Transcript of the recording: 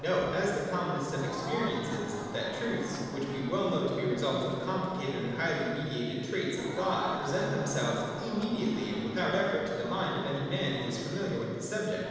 If that be so, we need only note, as the commonest of ex periences, that truths, which we well know to be results of complicated and highly mediated trains of thought, present themselves immediately and without effort to the mind of any man who is familiar with the subject.